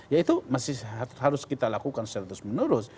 ya itu masih harus kita lakukan secara terus menerus